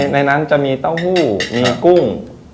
ในนั้นจะมีเต้าหู้มีกุ้ง